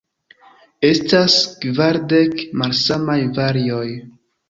Estas kvardek malsamaj varioj.